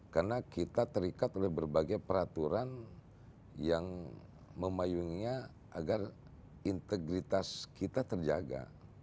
karena kita terikat oleh berbagai peraturan yang memayunginya agar integritas kita terjaga